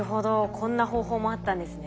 こんな方法もあったんですね。